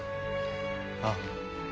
ああ。